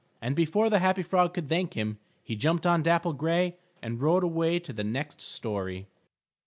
And before the happy frog could thank him he jumped on Dapple Gray and rode away to the next story.